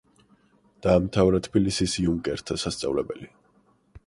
დაამთავრა თბილისის იუნკერთა სასწავლებელი.